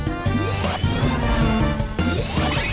มีเวลาร่วมสนุกถึงเที่ยงคืน